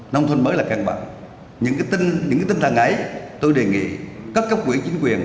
nông thôn mới là căn bằng những cái tin thẳng ấy tôi đề nghị các cấp quỹ chính quyền